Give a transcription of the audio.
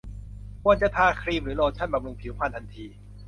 ควรจะทาครีมหรือโลชั่นบำรุงผิวพรรณทันที